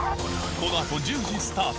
この後１０時スタート